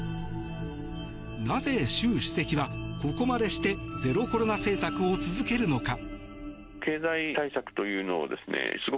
なぜ習主席はここまでしてゼロコロナ政策を続けるのか。